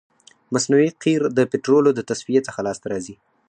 مصنوعي قیر د پطرولو د تصفیې څخه لاسته راځي